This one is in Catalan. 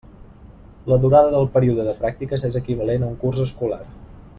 La durada del període de pràctiques és l'equivalent a un curs escolar.